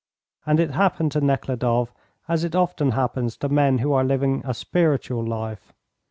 And it happened to Nekhludoff, as it often happens to men who are living a spiritual life.